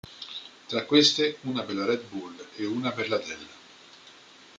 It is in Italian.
Tra queste una per la "Red Bull" e una per la "Dell".